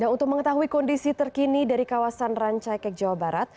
untuk mengetahui kondisi terkini dari kawasan rancaikek jawa barat